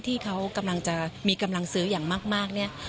ที่เขากำลังจะมีกำลังซื้ออย่างมากเนี่ย